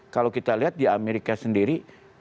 kalau kita lihat di amerika sendiri